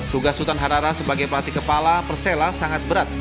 tugas sutan harhara sebagai pelatih kepala persela sangat berat